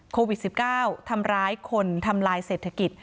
โควิด๑๙ทำร้ายคนทำลายเศรษฐกิจ